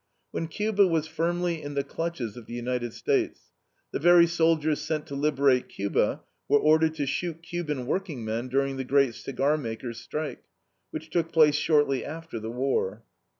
When Cuba was firmly in the clutches of the United States, the very soldiers sent to liberate Cuba were ordered to shoot Cuban workingmen during the great cigarmakers' strike, which took place shortly after the war.